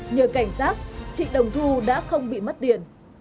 nhờ cảnh giác chị đồng thu đã không bị mất tiền